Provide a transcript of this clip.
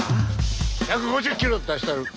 １５０キロ出したる。